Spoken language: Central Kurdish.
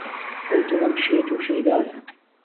ئهو دڵهم شێت و شهیدایه